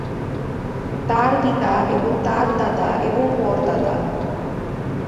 তার পিতা এবং তার দাদা এবং পরদাদা!